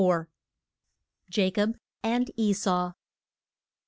JACOB AND ESAU.